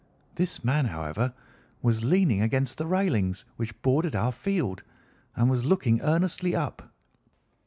This man, however, was leaning against the railings which bordered our field and was looking earnestly up.